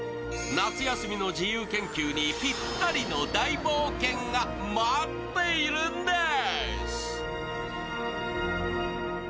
夏休みの自由研究にぴったりの大冒険が待っているんです。